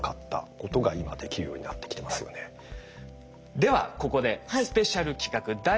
ではここでスペシャル企画第２弾。